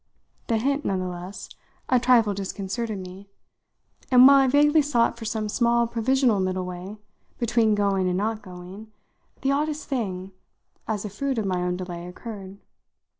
The hint, none the less, a trifle disconcerted me, and, while I vaguely sought for some small provisional middle way between going and not going on, the oddest thing, as a fruit of my own delay, occurred.